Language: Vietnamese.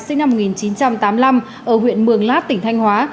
sinh năm một nghìn chín trăm tám mươi năm ở huyện mường lát tỉnh thanh hóa